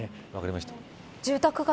分かりました。